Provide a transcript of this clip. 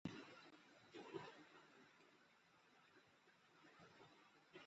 অর্থনৈতিক ইতিহাসবিদ Charles P.